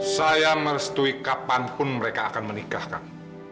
saya merestui kapanpun mereka akan menikahkan